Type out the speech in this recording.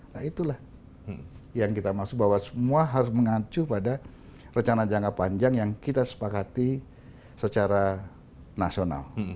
nah itulah yang kita maksud bahwa semua harus mengacu pada rencana jangka panjang yang kita sepakati secara nasional